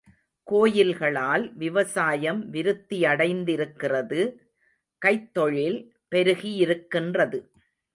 கோயில்களால் விவசாயம் விருத்தியடைந்திருக்கிறது.. கைத்தொழில் பெருகியிருக்கின்றது.